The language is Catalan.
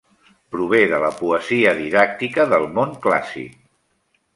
Prové de la poesia didàctica del món clàssic.